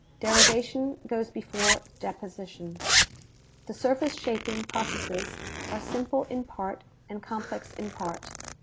Derivation goes before deposition. •The surface shaping processes are simple in part and complex in part.